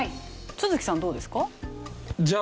都築さんどうですか？